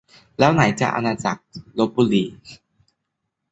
แล้วไหนจะอาณาจักรลพบุรี